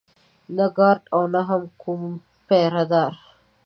نه ګارډ و او نه هم کوم پيره دار.